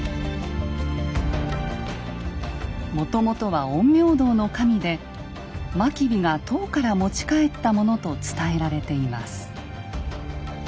もともとは陰陽道の神で真備が唐から持ち帰ったものと伝えられています。